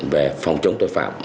về phòng chống tội phạm